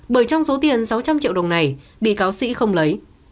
bởi trong số tiền sáu trăm linh triệu đồng này bị cáo sĩ không lấy